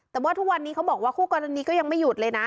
แต่ว่าทุกวันนี้เขาบอกว่าคู่กรณีก็ยังไม่หยุดเลยนะ